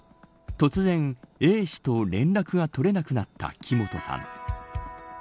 突然、Ａ氏と連絡が取れなくなった木本さん。